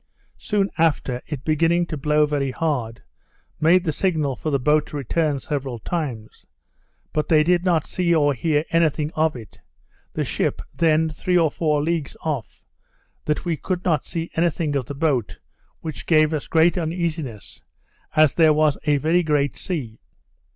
Soon after, it beginning to blow very hard, made the signal for the boat to return several times, but they did not see or hear any thing of it; the ship then three or four leagues off, that we could not see any thing of the boat, which gave us great uneasiness, as there was a very great sea.